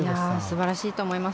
素晴らしいと思います。